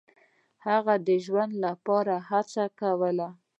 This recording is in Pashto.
هغه د ژوند لپاره هڅه کوله.